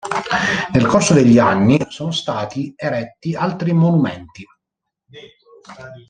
Nel corso degli anni sono stati eretti altri monumenti.